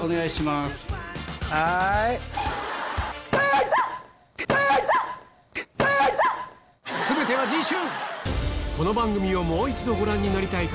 郁に全ては次週！